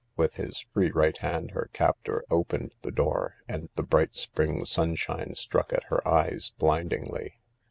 With his free right hand her captor opened the door, and the bright spring sunshine struck at her eyes, blindingly.